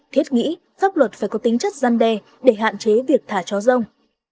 thiết nghĩ pháp luật phải có tính chất gian đe để hạn chế việc thả chó rông